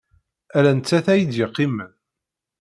Ala nettat ay d-yeqqimen.